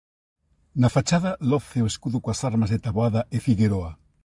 Na fachada loce o escudo coas armas de Taboada e Figueroa.